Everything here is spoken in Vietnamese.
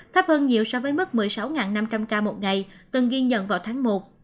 thấp hơn nhiều so với mức một mươi sáu năm trăm linh ca một ngày từng ghi nhận vào tháng một